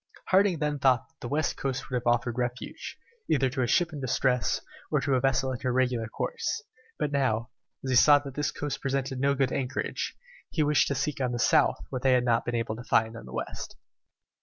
Harding then thought that the western coast would have offered refuge, either to a ship in distress, or to a vessel in her regular course; but now, as he saw that this coast presented no good anchorage, he wished to seek on the south what they had not been able to find on the west.